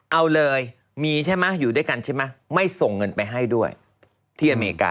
เอาเลยมีใช่ไหมอยู่ด้วยกันใช่ไหมไม่ส่งเงินไปให้ด้วยที่อเมริกา